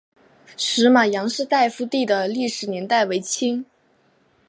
石码杨氏大夫第的历史年代为清。